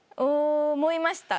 思いました。